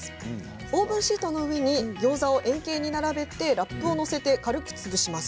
オーブンシートの上にギョーザを円形に並べてラップを載せて軽く潰します。